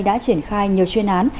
đã triển khai nhiều chuyên án